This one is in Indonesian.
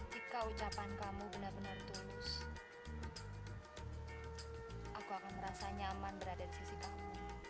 jika ucapan kamu benar benar tulus aku akan merasa nyaman berada di sisi kamu